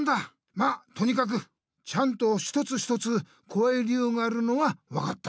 まっとにかくちゃんとひとつひとつこわい理由があるのはわかった。